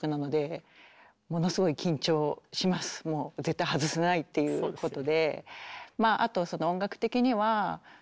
もう絶対外せないっていうことで。